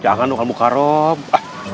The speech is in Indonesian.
jangan dong al mukarram